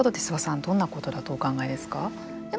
どんなことだとお考えですか。